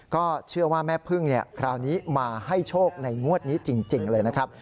ก็เชื่อว่าแม่พึ่งคราวนี้มาให้โชคในงวดนี้จริงเลยนะครับ